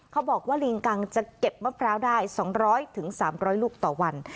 เขาบอกว่าลิงกังจะเก็บมะพร้าวได้สองร้อยถึงสามร้อยลูกต่อวัน